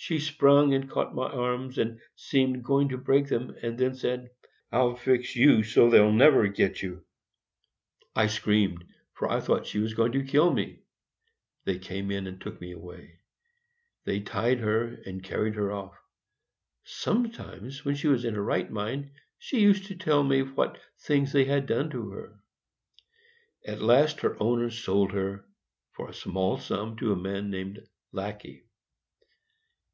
She sprung and caught my arms, and seemed going to break them, and then said, "I'll fix you so they'll never get you!" I screamed, for I thought she was going to kill me; they came in and took me away. They tied her, and carried her off. Sometimes, when she was in her right mind, she used to tell me what things they had done to her. At last her owner sold her, for a small sum, to a man named Lackey.